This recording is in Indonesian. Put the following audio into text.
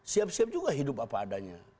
siap siap juga hidup apa adanya